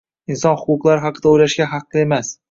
inson huquqlari haqida o'ylashga haqli emas